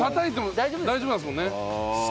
大丈夫なんですもんね。